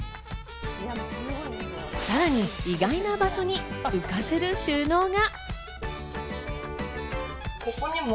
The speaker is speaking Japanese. さらに意外な場所に浮かせる収納が。